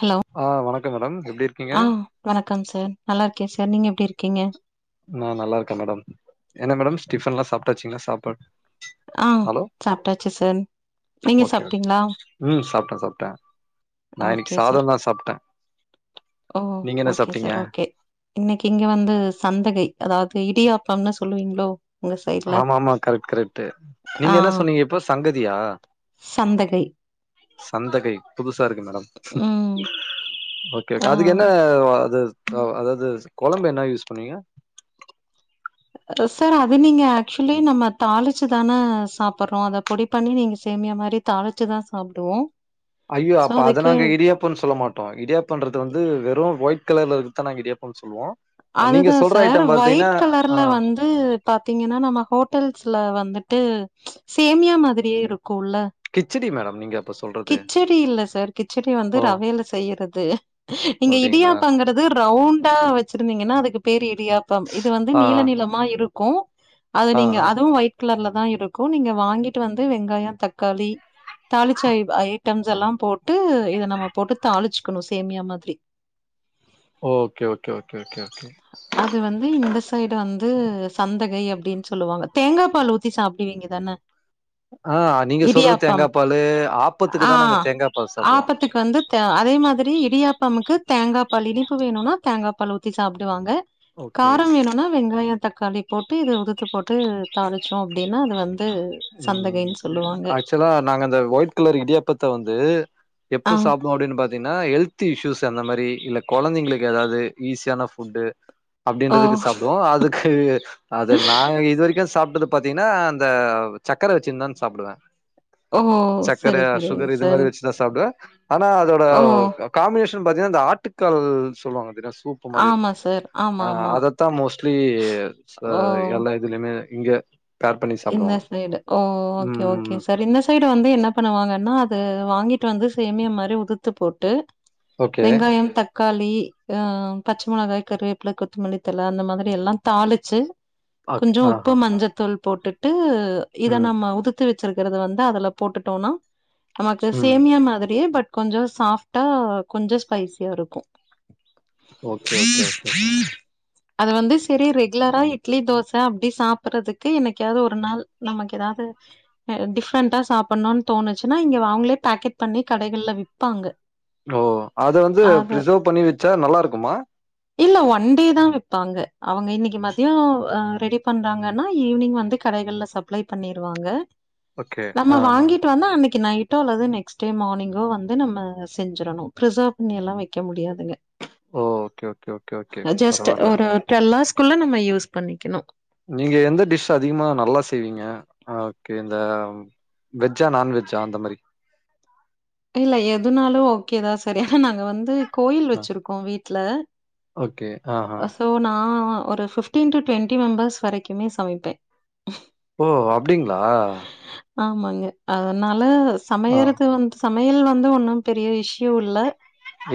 Hello ஆ வணக்கம் madam எப்டி இருக்கீங்க ஆ வணக்கம் சார் நல்லா இருக்கேன் சார் நீங்க எப்டி இருக்கீங்க நான் நல்லா இருக்கேன் மேடம் என்ன மேடம் ஸ்டிஃபன்லாம் சாப்ட்டாச்சீங்களா சாப்பாடு ஆ ஹலோ சாப்ட்டாச்சு சார் நீங்க ஓகே ஓகே சாப்ட்டீங்களா ம் சாப்ட்டேன் சாப்ட்டேன் நான் இனைக்கு ஓகே சார் சாதம் தான் சாப்ட்டேன் ஓ ஓகே சார் ஓகே இன்னைக்கு இங்க வந்து சந்தகை அதாவது இடியாப்பம்னு சொல்லுவீங்களோ உங்க சைட்ல ஆமா ஆமா கரெக்ட் கரெக்ட் நீங்க ஆ என்ன சொன்னீங்க இப்போ சங்கதியா சந்தகை சந்தகை புதுசா இருக்கு மேடம் ம் ஆ அதுக்கு என்ன அது அதாவது குழம்பு என்ன யூஸ் பண்ணீவீங்க சார் அது நீங்க ஆக்சுவலி நம்ம தாளிச்சு தானே சாப்புறோம் அத பொடி பண்ணி நீங்க சேமியா மாரி தாளிச்சிதான் சாப்டுவோம் அய்யோ அப்ப‌ நாங்க இடியாப் நம் சொல்ல மாட்டோம் இடியாப்பன்றது வந்து வெறும் ஒயிட் கலர்ல இருக்கன்னா நாங்க இடியாப்பன்னு சொல்லுவோம் அதுதான் சார் ஒயிட் ஆ கலர்ல வந்து பாத்தீங்கன்னா நம்ம ஹோட்டல்ஸ்ல வந்துட்டு சேமியா மாதிரியே இருக்கு உள்ள கிச்சடி மேடம் நீங்க அப்ப சொல்றது. கிச்சடி இல்ல சார் கிச்சடி வந்து ஓ ரவையில செய்யறது இங்க அப்டிங்களா? இடியாப்பங்கறது ரவுண்டா வெச் இருந்தீங்கன்னா அதுக்கு பேரு இடியாப்பம் இது வந்து ஆ நீல நீளமா இருக்கும் அது ஆ நீங்க ஆ அதுவும் வயி கிலர்ல தான் இருக்கும் நீங்க வாங்கிட்டு வந்து வெங்காய தக்காளி தாளிச்சாய ஐட்டம்ஸ் எல்லாம் போட்டு இத நம்ம போட்டு தாளிச்சுக்கணும் சேமியா மாதிரி ஓ okay okay okay okay okay அது வந்து இந்த சைடு வந்து சந்தகை அப்டின்னு சொல்லுவாங்க தேங்கா பால் ஊத் தி சாப்பிடுவீங்க தானே ஆ நீங்க சொல்ற தேங்காய் பால் ஆப்பத்துக்கு ஆ தான் நாங்க தேங்காய் பால் சாப்டுவோம் ஆப்பத்துக்கு வந்து அதே மாதிரி இடியாப்பமுக்கு தேங்காய் பால் இனிப்பு வேணும்னா தேங்காய் பால் ஊத்தி சாப்டுவாங்க ஓகே காரம் வேணும்னா வெங்காயம் தக்காளி போட்டு இது உதுத்து போட்டு தாளிச்சோம் அப்டின்னா அது வந்து து சந்தகைன்னு சொல்லுவாங்க ஆச்வலா நாங்க இந்த ஒயிட் கலர் இடியாப்பத்த வந்து ஆ எப்ப சாப் டோ அப்படின்னு பாத்தீன்னா ஹெல்த் இஷ்யூஸ் அந்த மாறி இல்ல கொழந்தைங்களுக்கு ஏதாவது ஈஸியான ஃபுட்டு ஓ அப்படின்றதுக்கு சாப்டுவோ அதுக் கு அது நா இது வரைக்கு சாப்ட்டது பாத்தீன்னா அந்த சக்கரை வச்சின்னு தா சாப்பிடுவே ஓ சக்கரை சரி சரிங்க சுகரு இது மாறி சார். வச்சுதா சாப்பிடுவே ஆனா அதோட ஓ காம்பினேஷன் பாத்தீன்னா இந்த ஆட்டுக்கால் சொல்லுவாங்கா தெரியுமா சூப் ப்ப மாறி இருக்கு ஆமா இல்லங் சார். அ ஆமாமா. அதத்தா மோஸ்ட்லி அ ஓ எல்ல இதுலயுமே இங்க பேர் பண்ணி இந்த சாப்பிடுவாங்க சைடு ஓ ஓக்கே ஓக்கே சார் இந்த சைடு வந்து என்ன பண்ணுவாங்க ன்னா அது வாங்கிட்டு வந்து சேமியா மாறி உதுத்து போட்டு ஓகே வெங்காயம் தக் காளி ஆ பச்சை மொளகாய் கருவேப் புள்ள கொத்தமல்லித்தலை அந்த மாதிரி எல்லா தாளிச்சு ஓகே கொஞ்சோ உப்பு ஆஹா மஞ்சத்தூள் போட்டுட்டு இதை ம் நம்ம உதுத் து வச்சிருக்கிறத வந்து அதுல போட்டுட்டோனா நமக்கு ம் சேமியா மாதிரியே பட் கொஞ்சோ சாஃப்டா கொஞ்சோ ஸ்பைசியா இருக்கும் ஓகே ீ ஓகே ஓகே ீ அது வந்து சரி ரெகுலரா இட்லி தோசை அப்டி சாப்பட்றதுக் கு என்னைக்காவது ஒரு நாள் நமக்கு எதாது அ டிஃப்ரெண்டா சாப்பட்ணும்னு தோணுச்சுன்னா இங்க அவங்களே பேக்கெட் பண்ணி கடைகள்ல விப்பாங்க ஓ அத வந்து அது பிரிசர்வ் பண்ணி வச்சா நல்லா இருக்குமா இல்ல ஒன் டே தா விப்பாங்க அவங்க இன்னைக்கு மதியம் ரெடி பண்றாங்கன்னா ஈவினிங் வந்து கடைகள்ல சப்ளை பண்ணிருவாங்க ஓகே நம்ம ஆ ஆ வாங்கிட் டோன்னா அன்னைக்கு நைட்டோ அல்லது நெக்ஸ் டே மார்னிங்கோ வந்து நம்ம செஞ்சிரணு பிரிசர்வ் பண்ணி எல்லா வெக்க முடியாதுங்க ஓ ஓகே ஓகே ஓகே ஓகே அ ஜஸ்ட் பரவால்ல ஒரு டுவெல் ஹார்ஸ்குள்ள நம்ம யூஸ் பண்ணிக்கணு நீங்க எந்த டிஷ் அதிகமா நல்லா செய்வீங்க ஓக்கே இந்த வெஜ்ஜா நான் வெஜ்ஜா அந்த மாறி இல்ல எதுனாலு ஓக்கே தா சார் ஏன்னா நாங்க வந்து கோயில் வச்சிருக்கோ வீட்ல ஓக்கே ஆ ஹா சோ நா ஒரு ஃபிப்டீன் டு டு்வெண்ட்டி மெம்பர்ஸ் வரைக்குமே சமைப்பே ஓ அப்டிங்ளா ஆமாங்க அதனால ஆ சமையறது வந்து சமையல் வந்து ஒன்னும் பெரிய இஷ்யூ இல்ல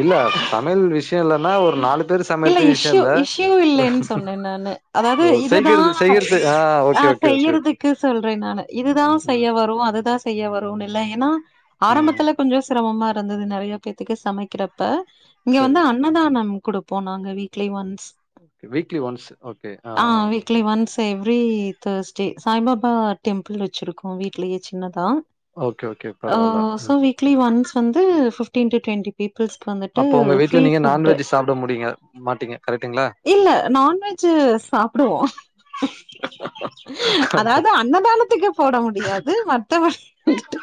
இல்ல சமையல் விஷ் யம் இல்லன்னா ஒரு நாலு பேர் சமைறது விஷயம் இஷ்யூ இல்ல இஷ்யூ ஒரு இல்லன்னு சேக்கறது ஆ செய்யறதுக்கு சொல்றே நானு இதுதா ம், செய்ய வரும் அதுதா செய்ய வருன்னு இல்ல ஏன்னா ம். ஆரம்பத்துல கொஞ்சோ சிரமமா இரு ந்தது நிறைய பேத்துக்கு சமைக்கிறப்ப இங்க வந்து சரி. அன்னதான ம் குடுப்போ நாங்க weekly once weekly once okay ஆ weekly once every Thursday Saibaba temple வச்சிருக்கோ வீட்லயே சின்னதா ஓகே, ஓகே. அ பரவால்ல. ம். சோ வீக்லி ஒன்ஸ் வந்து ஃபிப்டீன் டு டுவெண்ட்டி பீப்புள்ஸ்க்கு வந்துட்டு ஃப்ரீ ஃபுட்டு ட்ட முடிங்க மாட்டீங்க கரெக்டுங்ளா இல்ல நான்வெஜ்ஜு சாப்பிடுவோ ஓகே, அதாவது அன்னதானத்துக்கு போட முடியாது மத்தபடி வந்துட்டு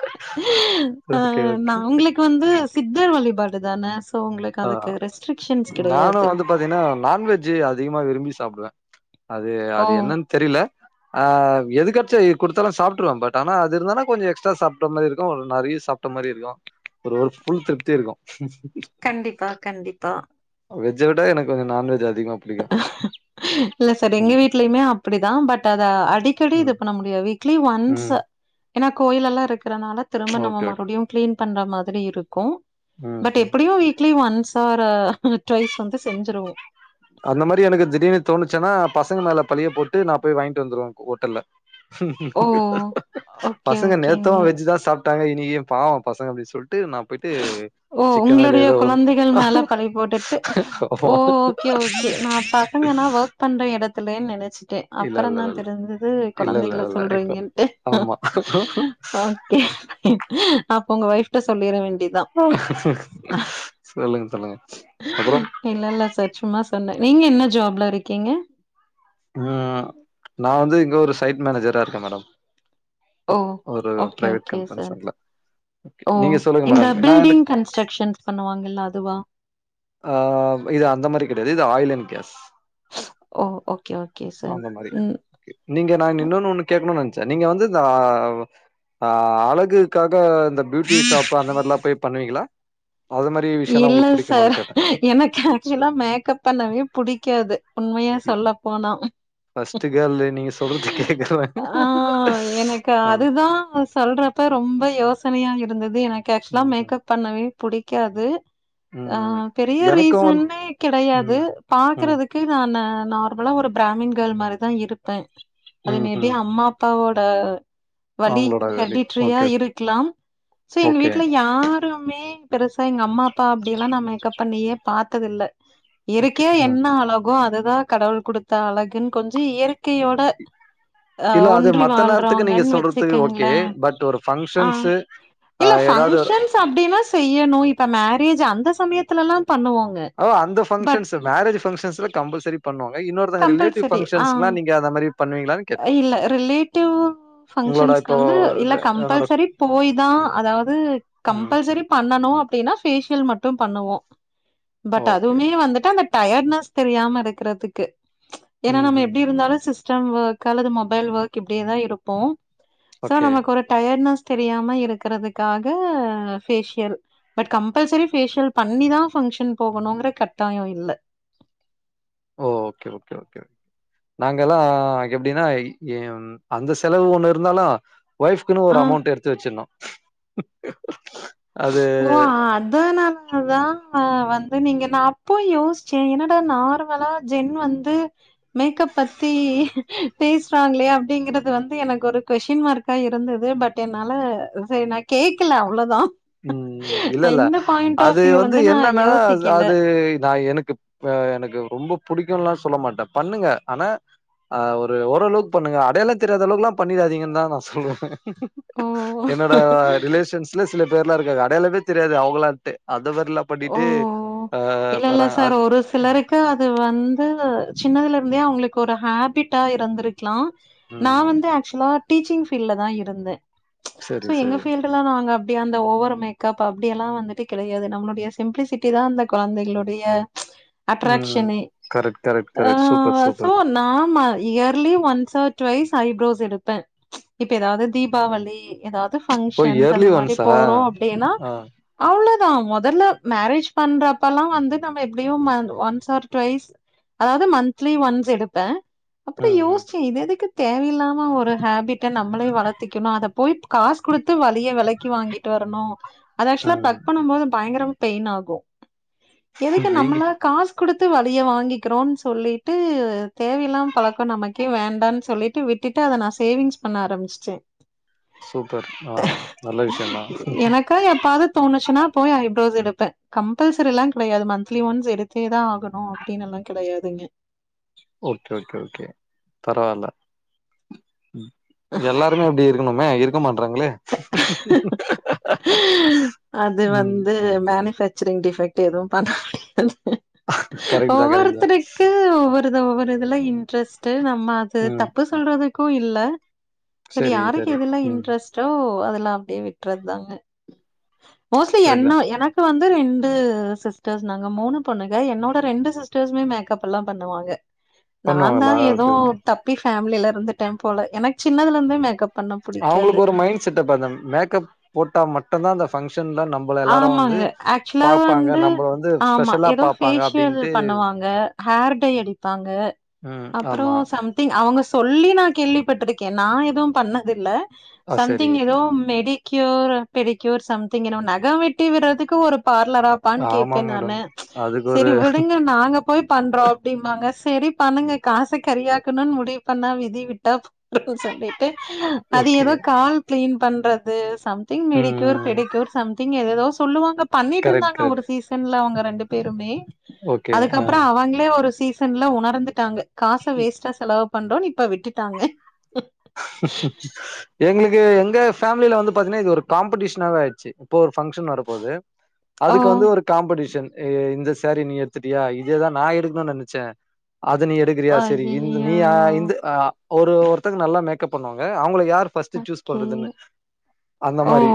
ஆ ஓகே ஓகே நான் உங்களுக்கு வந்து சித்தர் வழிபாடு தான சோ உங்களுக்கு அதுக்கு ரெஸ்ட்ரிக் நானு வந்து பாத்தீங்கன்னா நான்வெஜ் அதிகமா விரும்பி சாப்டுவ அது ஓ! அது என்னன் தெரில ஆ எது கட்ச்சா குடுத்தாலூ சாப்டுருவே பட் ஆனா அது இருந்தனா கொஞ்ச எக்ஸ்ட்ரா சாப்ட் மாரி இருக்கு ஒரு நெறைய சாப் மாரி இருக்கு ஒரு ஃபுல் திருப்தி இருக்கு கண்டிப்பா கண்டிப்பா வெஜ்ஜ விட எனக்கு கொஞ்ச நான்வெஜ் அதிகோ இல்ல சார் எங்க வீட்லயுமே அப்டிதா பட் அத அடிக் கடி இது ம், பண்ணமுடியா வீக்லி ஒன்ஸ் ம். ஏன்னா கோயிலல்லா இருக்கறனால திரும்ப ஓகே, நம்ம ஓகே. மறூடியு கிளீன் பண்ற மாதிரி இருக்கூ ம் பட் ம் எப்டியு week weekly once or twice வந்து செஞ்சிருவோ அந்த மாரி எனக்கு திடீர்னு தோணுச்சுன்னா பசங்க மேல பழிய போட்டு நா போய் வாங்கிட்டு வந்துருவ ஹோட்டல்ல ஓ! ஓகே, பசங்க நேத்து ஓகேங்க. வெஜ்சுதா சாப் டாங்க இனிக்கு பாவோ பசங்க அப்டி சொல் ட்டு நா போயிட்டு ஓ! சிக்கனோ உங்களுடைய எதோ ஒன்னு குழந்தைகள் மேல பழி போட்டுட்டு ஓ! ஓகே ஓகே நா பசங்கன்னா ஒர்க் பண்ற இடத்துலன்னு நெனச்சுட்டே இல்ல அப்புற இல்ல தா இல்ல தெரிஞ்சது இல்ல இல்ல குழந்தைகள இல்ல இப்போ சொல்றீங்கன்ட்டு ஆமா அப்ப உங்க ஒய்ஃப்ட சொல்லிர சொல்லுங்க சொல்லுங்க அப்றோ இல்ல இல்ல சார் சும்மா சொன்ன நீங்க என்ன ஜாப்ல இருக்கீங்க ம் நா வந்து இங்க ஒரு சைட் மேனேஜரா இருக்க மேடம் ஓ ஒரு ஓகே பிரைவேட் ஓகே சார் கம்பென்சன்ல ஓ நீங்க சொல்லுங்க இந்த மேடம் நா பில்டிங் கன்ஸ்ட்ரக்ஷன்ஸ் பண்ணுவாங்கல்ல அதுவா ஆ இது அந்த மாரி கிடையாது இது ஆயில் அண்ட் கேஸ் ஓ ஓகே ஓகே சார் அந்த மாரி ம் நீங்க நா இன்னொன்னு ஒன்னு கேக்கணு நென்ச்ச நீங்க வந்து தா ஆ அழகுக்காக இந்த பியூட்டி ஷாப் அந்த மாரிலா போய் பண்ணுவீங்களா அது மாரி விஷயல்லா இல்ல உங்களுக்கு புடிக்குமா சார். எனக்கு ஆக்சுவலா மேக்கப் பண்ணவே புடிக்காது உண்மைய சொல்ல போனா ஃபஸ்ட்டு கேர்ள்ளு நீங்க சொல்றது கேக்க ஆ எனக்கு அதுதான் சொல்றப்ப ரொம்ப யோசனையா இருந்தது எனக்கு ஆக்சுவலா ம் ம் மேக்கப் பண்ணவே புடிக்காது ஆ ம் பெரிய எனக்கும் வந் ரீசன்னுமே கிடையாது ம் ம் பாக்குறதுக் கி நானு நார்மலா ஒரு பிராமின் கேர்ள் மாரிதா இருப்ப அது ம் மேபி ம் அம்மா அப்பாவோட வலி அவங்களோட வெளி ஹெர்டிட்ரியா ஓகே இருக்கலாம் சோ எங்க ஓகே வீட்ல யாருமே பெருசா எங்க அம்மா அப்பா அப்டியெல்லா நா மேக்கப் பண்ணியே பாத்ததில்ல ஓகே இருக்கியா என்ன அழ கோ அதுதா கடவுள் குடுத்த அழகுன்னு கொஞ்ச இயற்கையோட அ இல்ல அது ஒன்றி மத்த நேரத்துக்கு நீங்க வாழ்றவங்கன்னு சொல்றதுக்கு வச்சுக்கங்கள ஓகே பட் ஒரு ஆ ஃபங்க்ஷன்ஸு ஆ இல்ல ஏதாவது பங்க்ஷன்ஸ் அப்டின்னா செய்யணு இப்ப மேரேஜ் அந்த சமயத்துலல்லா பண்ணுவாங்க ஓ அந்த பங்க்ஷன்ஸ் மேரேஜ் பங்க்ஷன்ஸ்ல கம்பல்சரி பண்ணுவாங்க இன்னொருதவங்க ரிலேட்டிவ் கம்பல்சரி ஆ பங்க்ஷங்களா நீங்க அந்த மாரி பண்ணுவீங்களானு இல்ல ரிலேட்டிவ் உங்களோட பங்க்ஷன்ஸ்க் இப்போ வந்து இல்ல ர என்னோட கம்பல்சரி போய் தா அதாவது ம். கம்பல்சரி பண்ணனு அப்டின்னா பேஃஷியல் மட்டு பண்ணுவோ பட் ஓகே. அதுமே வந்துட்டு அந்த டயர்ட்னஸ் தெரியாம இருக்கறதுக்கு ஏன்னா நம்ம ம்ஹ்ம். எப்டி இருந்தாலு சிஸ்டம் ஒர்க் காலது மொபைல் ஒர்க் இப்டியேதா இருப்போ சோ ஓகே. நமக்கு ஒரு டயர்ட்னஸ் தெரியாம இருக்கறதுக்காக ஃபேஷியல் பட் கம்பல்சரி ஃபேஷியல் பண்ணிதா ஃபங்க்ஷன் போகணுங்கிற கட்டாயோ இல்ல ஓ ஓகே ஓகே ஓகே நாங்கலா எப்டின்னா ஏ ம் அந்த செலவு ஒண்ணு இருந்தாலு ஒய்ஃப் குனு ஒரு ஆ அமௌண்ட் எடுத்து வச்சிர்ணு ஓ அதனால அதா வந்து நீங்க நா அப்போ யோஸ்ச்ச என்னடா நார்மலா ஜென் வந்து மேக்கப் பத்தி பேஸ்ராங்ளே அப்டிங்கறது வந்து எனக்கு ஒரு கொஸின் மார்க் கா இருந்தது பட் என்னால செரி நா கேக்கல அவ்ளோதா ம் அ இல்லல்ல இந்த பாயிண்ட் ஆஃப் அது வியூ வந்து நா என்னன்னா யோசிக்கல அது நா எனக்கு இப்ப எனக்கு ரொம்ப புடிக்குலா சொல்ல மாட்ட பண்ணுங்க ஆனா ஆ ஒரு ஓரளவுக்கு பண்ணுங்க அடையாளத் தெரியாத அளவுக்குலா பண்ணிடாதீங்க தா நா சொல்லுவ ஓ என்னோட ரிலேஷன்ஸ்ல சில பேர்லா இருக்காங்க அடையாளமே தெரியாது அவங்களான்ட்டு அந்த மாரிலா ஓ பண்ணிட்டு அ இல்ல இல்ல வாரங் சார் அத் ஒரு சிலருக்கு அது வந்து சின்னதுல இருந்தே அவுங்களுக்கு ஒரு ஹேபிட்டா இருந்திருக் லா நா ம் வந்து ஆக்சுவலா டீச்சிங் ஃபீல்ட்ல தா இருந்த சோ சரி எங்க சரி ஃபீல்டு ல்லா நாங்க அப்டி அந்த ஓவர் மேக்அப் அப்டியெல்லா வந்துட்டு கெடையாது நம்ளுடைய சிம்ப்ளிசிட்டி தா அந்த கொழந்தைகளுடைய ம் அட்ராக்ஷனே கரெக்ட் கரெக்ட் அ கரெக்ட் சூப்பர் சோ சூப்பர் நாம weekly once or twice eyebrows எடுப்ப இப்ப ஏதாவது தீபாவளி ஏதாவது ஓ ஃபங்கஷன்ஸ் அந்த இயர்லி மாரி ஒன்ஸா போறோ அப்டின்னா ஆ அவ்ளோதா முதல்ல மேரேஜ் பண்றப்பல்லா வந்து நம்ம எப்டியு ஒன்ஸ் ஆர் டுவைஸ் அதாவது மந்த்லி ஒன்ஸ் எடுப்ப அப்பற ம் ம் யோஸ்ச்ச இது எதுக்கு தேவையில்லாம ஒரு ஹேபிட்ட நம்மளே வளத்திக்கணு அதை போய் காசு குடுத்து வள நறையா வெலக்கி வாங்கிட்டு வரணு அத ஆக்சுவலா ப்ளக் ம் பண்ணும் போது பயங்கரம் பெயின் ஆகு எதுக்கு நீங்க நம்மளா காசு குடுத்து வலியை வாங்கிக்கிறோன் சொல்லிட்டு தேவையில்லாம பழக்கம் நமக்கே வேண்டான் சொல்லிட் டு விட்டுட்டு அத நா சேவிங்ஸ் பண்ண ஆரம்பிச்டே சூப்பர் ஆ நல்ல விஷயந்தா எனக்கா எப்பாது தோணுச்சுன்னா போய் ஐப்ரோஸ் எடுப் ப கம்பல்சரிலா கெடையாது மந்த்லி ஒன்ஸ் எடுத்தே தா ஆகணு அப்டின்னு எல்லா கெடையாதுங்க ஓகே ஓகே ஓகே பரவால்ல எல்லா பொண்ணு அப்டி இருக்கணுமே இருக்க மாட்றாங்ளே அது ம் வந்து மேனிஃபேக்சரிங் டிஃபெக்ட் எதுவு பண்ண முடியாது கரெக்ட் தா கரெக்ட் தா ஒவ்வொருத்தருக்கு ஒவ்வொ ஒவ்வொரு இதுல இன்ட்ரெஸ்ட்டு நம்ம அது ம் தப்பு சொல்றதுக்கு இல்ல செரி சரி யாருக்கு சரி எதுல்லா ம் இன்ட்ரெஸ்ட்டோ அதல்லா அப்டியே விட்றதாங்க மோஸ்ட்லி கரெக்ட் தா என்ன எனக் இப்ப வந்து ரெண்டு சிஸ்டர்ஸ் நாங்க மூணு பொண்ணுங்க என்னோட ரெண்டு சிஸ்டர்ஸுமே மேக்கப் எல்லா பண்ணுவாங்க நா தா பண்ணுவாங்களா ஏதோ ஓகே தப்பி ஃபேமிலில இருந்துட்டே போல எனக் சின்னதுலருந்தே மேக்கப் பண்ண புடிக்காது. அவுங்களுக்கு ஒரு மைண்ட் செட் அப்பதாங் மேக்கப் போட்டா மட்டு தா அந்த ஃபங்க்ஷன்ல நம் ஆமாங்க ஆக்சுவலா வந்து நம்பள வந்து ஆமா ஸ்பெஷலா ஏதோ பாப்பாங்க ஃபேஷியல் அப்டின்ட்டு பண்ணுவாங்க ஹேர் டை அடிப்பாங்க ம் அப்புறம் ஆம்மா சம்திங் அவுங்க சொல்லி நா கேள்விப்பட்ருக்கேன் நா எதுவு பண்ணதில்ல ஆ செரி சம்திங் ஏதோ manicure pedicure something நகோ வெட்டி விட்றதுக்கு ஒரு பார்லரா ப்பான்னு ஆமா கேப்பே மேடம் நானு அதுக்கு ஒரு செரி விடுங்க நாங்க போய் பண்றோ அப்டிம்பாங்க சேரி பண்ணுங்க காச கரியாக்கணும்னு முடிவு பண்ணா விதி விட்டா இருக்கு சொல்லிட்டு அது ஓகே எதோ கால் க்ளீன் பண்றது சம்திங் மெடி க்யூர் ம் பெடிக்யூர் சம்திங் ங்க எதேதோ சொல்லுவாங்க கரெக்ட் பண்ணிட்டுருந்தாங்க ஒரு கரெக்ட் சீசன்ல அவுங்க ரெண்டு பேருமே ஓகே ஆ அதுக்கப்றோ அவுங்களே ஒரு சீச தன்லா உணர்ந்துட்டாங்க காச வேஸ்ட்டா செலவு பண்றோன்னு இப்ப விட்டுட்டாங்க எங்களுக்கு எங்க ஃபேமிலில வந்து பாத்தீங்கன்னா இது ஒரு காம்ப்டீஷனாவே ஆயிடுச்சு இப்ப ஒரு பங்க்ஷன் வரப்போது ஓ! அதுக்கு வந்து ஒரு காம்படீஷன் இந்த சேரி நீ எடுத்துட்டியா இதேதா நா எடுக்கணும்னு நினைச்சே அத நீ எடு க்குறியா சரி இந்த நீ அய்யய்யோ! இந்த ஒரு ஒர்த்தங்க நல்லா மேக்கப் பண்ணுவாங்க அவங்கள யார் ஃபஸ்ட்டு சூஸ் ஓகே. பண்றதுன்னு அந்த ஓ! மாரி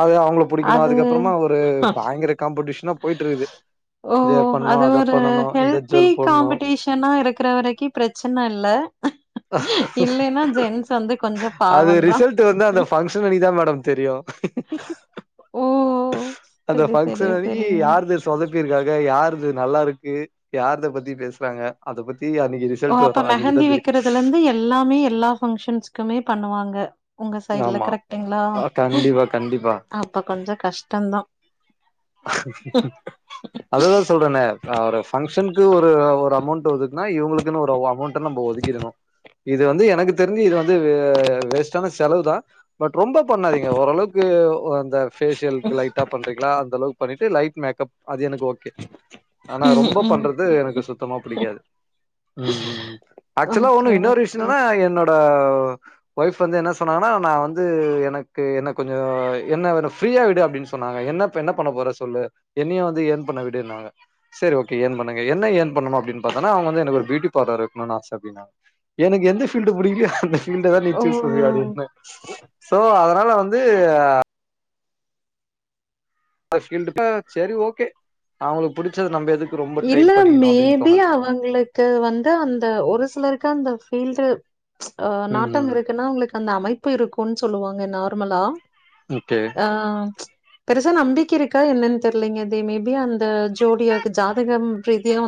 அது அவங்கள புடிக்கணு அது அதுக்கப்றமா ஒரு பயங்கர காம்படீஷனா போயிட்டுர்ருது ஓ அது ஒரு இந்த ஹெல்தி ஜுவல் போட்ணு காம்படீஷனா இருக்குற வரக்கி ப்ரச்சனல்ல கொஞ்சம் அது பாவம் தான். ரிசல்ட் வந்து அந்த பங்க்ஷன் அன்னைக்குதா மேடம் தெரியு ஓ அந்த சரி, சரி, பங்க்ஷன் அன்னிக்கு சரிங்க. யார்து சொதப்பி இருக்காங்க யார்து நல்லா இருக்கு யார்த பத்தி பேசுறாங்க அத பத்தி அன்னிக்கு ரிச ஓ அப்ப மெஹந்தி வெக்கிறதுல இருந்து எல்லாமே எல்லா ஃபங்க்ஷன்ஸ்குமே பண்ணுவாங்க உங்க சைடுல ஆமா கரெக்ட்டுங்களா அஹ் கண்டிப்பா கண்டிப்பா அப்ப கொஞ்சோ கஷ்டந்தா அததா சொல்றேனே ஒரு பங்க்ஷனுக்கு ஒரு ஒரு அமௌண்ட் ஒதுக்குனா இவங்களுக்குன்னு ஒரு அமௌண்ட் நம்ம ஒதுக்கிரணு இது வந்து எனக்கு தெரிஞ்சு இது வந்து வே வேஸ்ட்டான செலவு தான் பட் ரொம்ப பண்ணாதீங்க ஓரளவுக்கு அந்த பேஷியல்க்கு லைட்டா பண்றீங்களா அந்த அளவுக்கு பண்ணிட்டு லைட் மேக்கப் அது எனக்கு ஓகே ஆனா ம், ரொம்ப ம். பண்றது எனக்கு சுத்தமா புடிக்காது ம்ம்ம் ஆக்சுவலா ஓகே, ஒன்னு இன்னொரு விஷ்யோ ஓகே. என்னனா என்னோட ஒய்ஃப் வந்து என்ன சொன்னாங்கன்னா நா வந்து எனக்கு என்ன கொஞ்சோ என்ன வேணு ஃப்ரீயா விடு அப்டின்னு சொன்னாங்க என்ன இப்ப என்ன பண்ண போற சொல்லு என்னையும் வந்து ஏன் பண்ண விடுன்னாங்க சரி ஓகே ஏர்ன் பண்ணுங்க என்ன ஏர்ன் பண்ணணு அப்டின்னு பாத்தன்னா அவுங்க வந்து எனக்கு ஒரு பியூட்டி பார்லர் வெக்கணும்னு ஆச அப்டினாங்க எனக்கு எந்த ஃபீல்டு புடிக்கலையோ அந்த இந்த வேல நீ ஓ! ச்சூஸ் பண்றியாடின்னே சோ அதனால வந்து ஃபீல்டு பாத் செரி ஓகே அவங்களுக்கு புடிச்சது நம்ம எதுக் இல்ல மேபி அவங்களுக்கு வந்து அந்த ஒரு சிலருக்கு அந்த ஃபீல்டு அ நாட்டம் ம் இருக்குன்னா அவங்களுக்கு அந்த அமைப்பு இருக்கும்னு சொல்லுவாங்க நார்மலா முகே ஆ பெருசா நம்பிக்க இருக்கா என்னன்னு தெரியலங்கே தே மேபி அந்த ஜோடியாக்கு ஜாதகம் பிரீதியா வந்